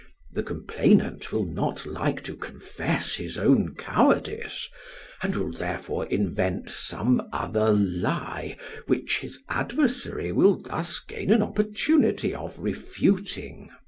The complainant will not like to confess his own cowardice, and will therefore invent some other lie which his adversary will thus gain an opportunity of refuting.